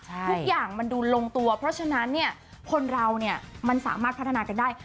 ทุกอย่างมันดูลงตัวเพราะฉะนั้นเนี่ยคนเราเนี่ยมันสามารถพัฒนากันได้